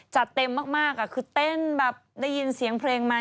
จัดเต็มมากคือเต้นแบบได้ยินเสียงเพลงมา